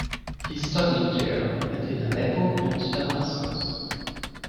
He studied there and in Aleppo and Damascus.